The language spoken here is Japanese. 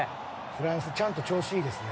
フランス、ちゃんと調子いいですね。